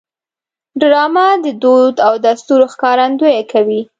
ډرامه د دود او دستور ښکارندویي کوي